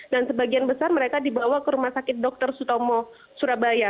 dan sebagian besar mereka dibawa ke rumah sakit dr sutomo surabaya